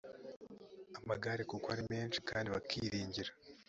amagare kuko ari menshi kandi bakiringira